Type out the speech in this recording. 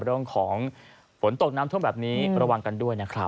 เรื่องของฝนตกน้ำท่วมแบบนี้ระวังกันด้วยนะครับ